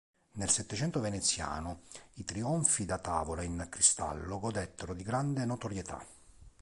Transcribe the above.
Nel Settecento veneziano, i trionfi da tavola in cristallo godettero di grande notorietà.